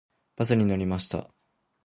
バスに乗りました。